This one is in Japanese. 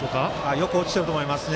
よく落ちていると思います。